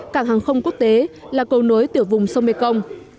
cảng hàng không quốc tế là cầu nối tiểu vùng sông mekong